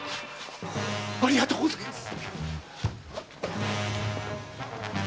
ありがとうございます！